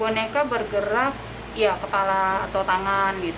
boneka bergerak kepala atau tangan